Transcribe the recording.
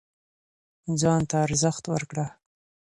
ځان ته ارزښت ورکړه